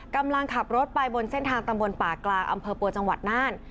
กำลังขับรถไปบนเส้นทางตำบลป่ากลางอำเภอปัวจังหวัดน่าน